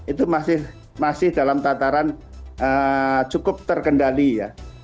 itu masih dalam tataran cukup terkendali ya